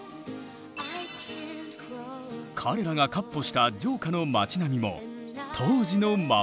彼らが闊歩した城下の町並みも当時のままだ。